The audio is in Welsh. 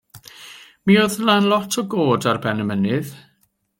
Mi oedd 'na lot o goed ar ben y mynydd.